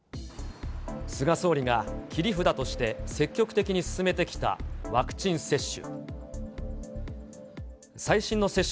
菅総理が切り札として積極的に進めてきたワクチン接種。